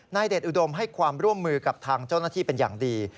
เดชอุดมให้ความร่วมมือกับทางเจ้าหน้าที่เป็นอย่างดี